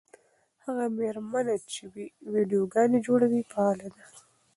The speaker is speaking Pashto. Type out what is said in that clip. هغه مېرمنه چې ویډیوګانې جوړوي فعاله ده.